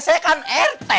saya kan rete